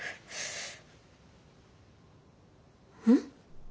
うん？